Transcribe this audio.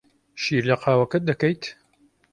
شیر لە قاوەکەت دەکەیت؟